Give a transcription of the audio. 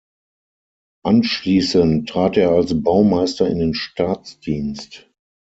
Anschließend trat er als Baumeister in den Staatsdienst.